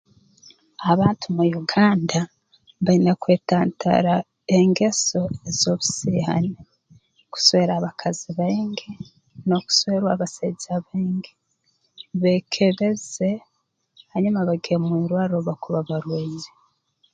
Abantu omu Uganda baine kwetantara engeso ez'obusiihani kuswera abakazi baingi n'okuswerwa abasaija baingi beekebeze hanyuma bagende mu irwarro obu barukuba barwaire